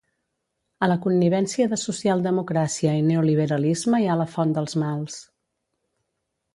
A la connivència de socialdemocràcia i neoliberalisme hi ha la font dels mals